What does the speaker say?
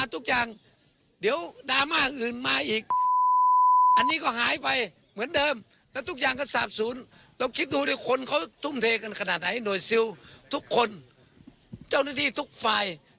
ทุ่มเทกันขนาดไหนหน่วยซิลทุกคนเจ้าหน้าที่ทุกฝ่าย